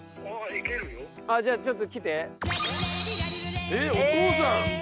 じゃあちょっと来て。